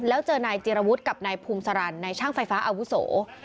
แล้วเจอนายจิรวุฒิกับนายภูมิสารันนายช่างไฟฟ้าอาวุโส